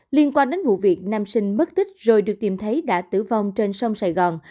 liên quan đến vụ việc nam sinh mất tích rồi được tìm thấy đã tử vong trên sông sài gòn